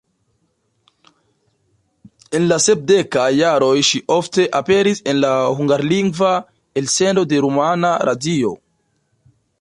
En la sepdekaj jaroj ŝi ofte aperis en la hungarlingva elsendo de Rumana Radio.